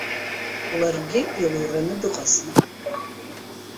Ларгьы илураны дыҟазма.